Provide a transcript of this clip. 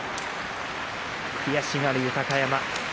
悔しがる豊山。